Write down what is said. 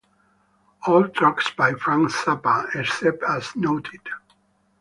All tracks by Frank Zappa except as noted.